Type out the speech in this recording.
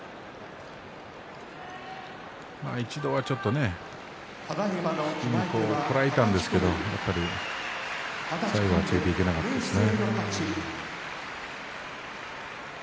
一度はちょっとね引き、こらえたんですけれども、最後はついてこられなかったですね。